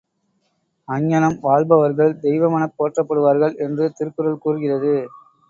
அங்ஙனம் வாழ்பவர்கள் தெய்வமெனப் போற்றப்படுவார்கள் என்று திருக்குறள் கூறுகிறது.